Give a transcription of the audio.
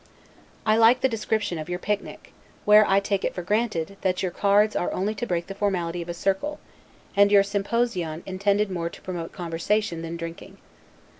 I like the description of your PIC NIC; where I take it for granted, that your cards are only to break the formality of a circle, and your SYMPOSION intended more to promote conversation than drinking.